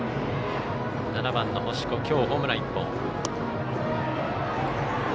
７番の星子きょうホームラン１本。